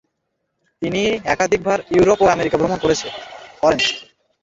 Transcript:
তিনি একাধিকবার ইউরোপ ও আমেরিকা ভ্রমণ করেন।